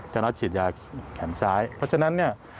ชนะฉีดยาแขนซ้ายเพราะฉะนั้นเนี่ย